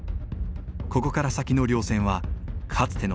ここから先の稜線はかつての修験道。